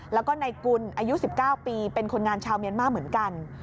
แล้วก็นายกุลอายุ๑๙ปีเป็นคนงานชาวเมียนมาร์เหมือนกัน